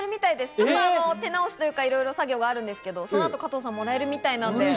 ちょっと手直しとか、いろいろ作業あるんですけど加藤さん、もらえるみたいです。